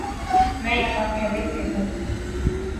میں یہاں پہلے سے ہوں